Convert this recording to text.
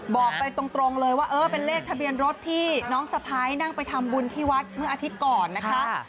บอกไปตรงเลยว่าเออเป็นเลขทะเบียนรถที่น้องสะพ้ายนั่งไปทำบุญที่วัดเมื่ออาทิตย์ก่อนนะคะ